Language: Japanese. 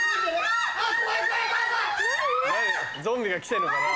ゾンビが来てんのかな？